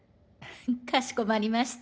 かしこまりました。